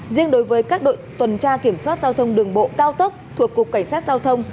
riêng đối với các đội tuần tra kiểm soát giao thông đường bộ cao tốc thuộc cục cảnh sát giao thông